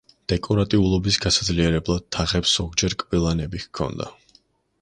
დეკორატიულობის გასაძლიერებლად თაღებს ზოგჯერ კბილანები ჰქონდა.